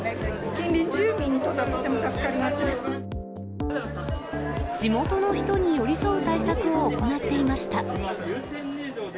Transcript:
近隣住民にとっては、とっても助地元の人に寄り添う対策を行っていました。